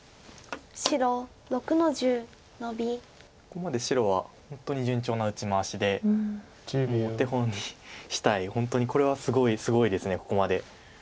ここまで白は本当に順調な打ち回しでもうお手本にしたい本当にこれはすごいすごいですここまで。